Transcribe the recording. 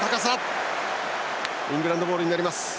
イングランドボールになる。